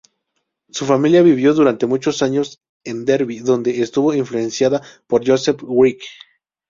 Su familia vivió durante muchos años en Derby, donde estuvo influenciada por Joseph Wright.